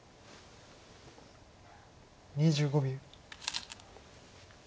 ２５秒。